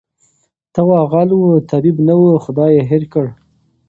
ته وا غل وو طبیب نه وو خدای ېې هېر کړ